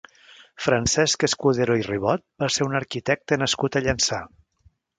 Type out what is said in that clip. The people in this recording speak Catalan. Francesc Escudero i Ribot va ser un arquitecte nascut a Llançà.